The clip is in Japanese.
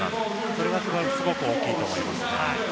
それがすごく大きいと思います。